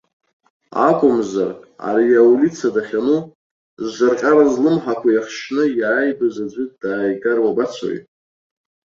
Акәымзар, ари аулица дахьану, зҿырҟьара злымҳақәа иахшьны иааибаз аӡәы дааигар уабацои?